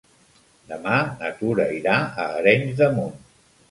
Demà na Tura irà a Arenys de Munt.